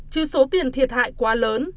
chứ số tiền thiệt hại quá lớn